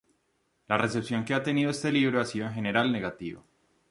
La recepción que ha tenido este libro ha sido en general negativa.